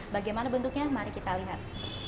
bagaimana bentuknya mari kita lihat